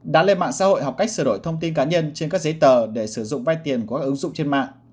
đã lên mạng xã hội học cách sửa đổi thông tin cá nhân trên các giấy tờ để sử dụng vai tiền qua các ứng dụng trên mạng